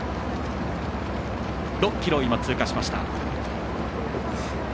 ６ｋｍを通過しました。